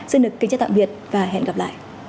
xin được kính chào tạm biệt và hẹn gặp lại